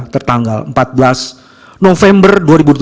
tertanggal empat belas november dua ribu dua puluh tiga